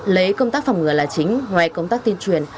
lấy công tác phòng ngừa là chính ngoài công tác tuyên truyền